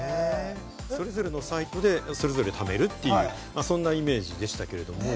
それぞれのサイトでそれぞれ貯めるっていうそんなイメージでしたけど。